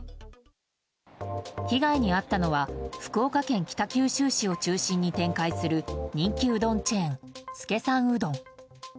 被害に遭ったのは福岡県北九州市を中心に展開する人気うどんチェーン資さんうどん。